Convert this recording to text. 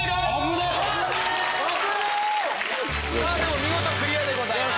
見事クリアでございます！